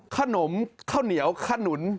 ขนมข้าวเหนียวขนุน